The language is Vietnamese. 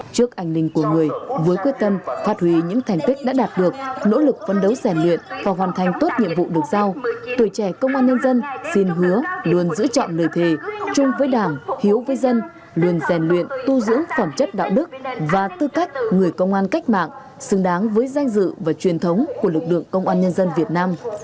trước ảnh linh của người với quyết tâm phát huy những thành tích đã đạt được nỗ lực vấn đấu rèn luyện và hoàn thành tốt nhiệm vụ được giao tuổi trẻ công an nhân dân xin hứa luôn giữ trọn nơi thề chung với đảng hiếu với dân luôn rèn luyện tu dưỡng phẩm chất đạo đức và tư cách người công an cách mạng xứng đáng với danh dự và truyền thống của lực lượng công an nhân dân việt nam